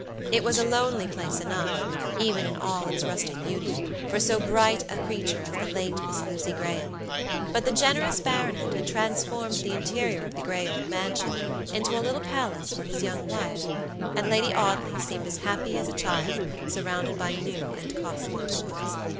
It was a lonely place enough, even in all its rustic beauty, for so bright a creature as the late Miss Lucy Graham, but the generous baronet had transformed the interior of the gray old mansion into a little palace for his young wife, and Lady Audley seemed as happy as a child surrounded by new and costly toys.